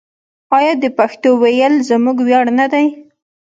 آیا د پښتو ویل زموږ ویاړ نه دی؟